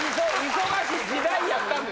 忙しい時代やったんや。